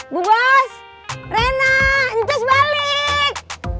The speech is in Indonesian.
bu bu bas rena incus balik